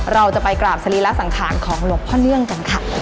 เราจะไปกราบสรีระสังขารของหลวงพ่อเนื่องกันค่ะ